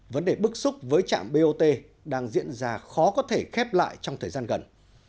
vấn đề bức xúc với trạm bot đang diễn ra khó có thể khép lại trong thời gian gần